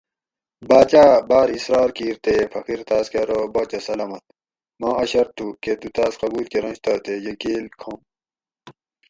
باۤچاۤ اۤ باۤر اصرار کِیر تے فقیر تاۤس کہ ارو باچہ سلامت ما اۤ شرط تھو کہ تُو تاۤس قبُول کرنش تہ تے یہ گیل کھم